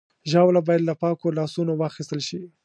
ژاوله باید له پاکو لاسونو واخیستل شي.